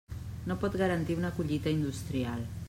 No pot garantir una collita industrial.